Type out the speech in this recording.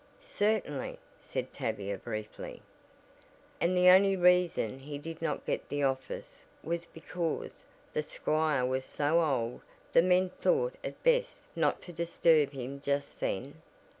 "Certainly," said Tavia, briefly. "And the only reason he did not get the office was because the squire was so old the men thought it best not to disturb him just then."